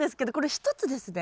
１つです。